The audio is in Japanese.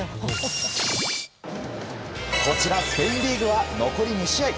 こちらスペインリーグは残り２試合。